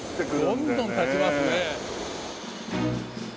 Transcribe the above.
どんどん建ちますね。